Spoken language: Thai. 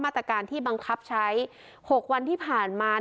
ตรการที่บังคับใช้๖วันที่ผ่านมา